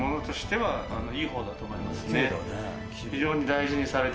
はい」